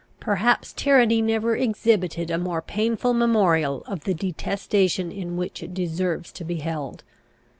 Perhaps tyranny never exhibited a more painful memorial of the detestation in which it deserves to be held.